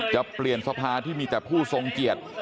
จะเปลี่ยนสภาที่มีแต่ผู้ทรงเกียรติ